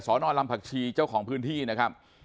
นอนลำผักชีเจ้าของพื้นที่นะครับ